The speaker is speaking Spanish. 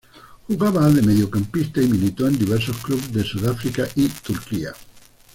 Jugaba de mediocampista y militó en diversos clubes de Sudáfrica y Turquía.